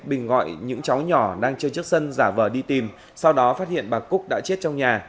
bình gọi những cháu nhỏ đang chơi trước sân giả vờ đi tìm sau đó phát hiện bà cúc đã chết trong nhà